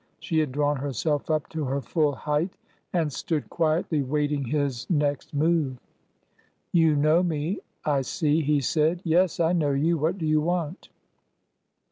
She had drawn herself up to her full height and stood quietly waiting his next move. '' You know me, I see,'' he said. ''Yes. I know you. What do you want?"